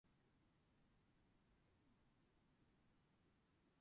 Judges stand for non-partisan retention election every four years.